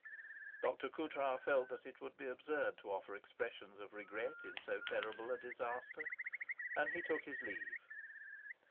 Dr. Coutras felt that it was absurd to offer expressions of regret in so terrible a disaster, and he took his leave.